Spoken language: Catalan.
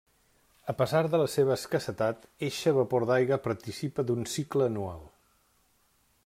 A pesar de la seva escassetat, eixe vapor d'aigua participa d'un cicle anual.